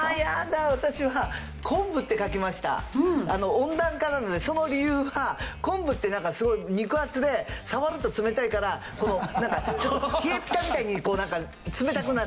温暖化なのでその理由は昆布ってなんかすごい肉厚で触ると冷たいからなんかちょっと冷えピタみたいに冷たくなる？